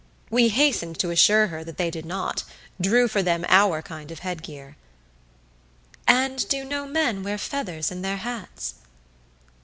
We hastened to assure her that they did not drew for them our kind of headgear. "And do no men wear feathers in their hats?"